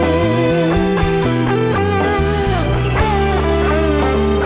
คู่ครีมคนใหม่